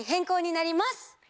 こうになります。